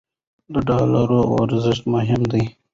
د ډالرو ارزښت مهم دی.